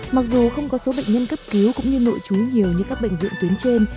mặc dù không có số bệnh nhân cấp cứu cũng như nội trú nhiều như các bệnh viện tuyến trên